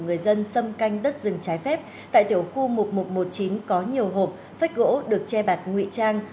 người dân xâm canh đất rừng trái phép tại tiểu khu một nghìn một trăm một mươi chín có nhiều hộp phách gỗ được che bạt ngụy trang